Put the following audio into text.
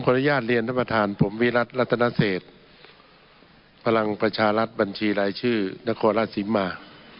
อนุญาตเรียนท่านประธานผมวิรัติรัตนเศษพลังประชารัฐบัญชีรายชื่อนครราชศรีมา